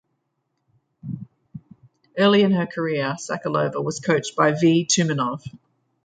Early in her career, Sokolova was coached by V. Tumanov.